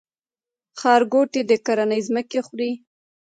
ښارګوټي د کرنې ځمکې خوري؟